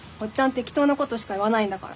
適当な事しか言わないんだから。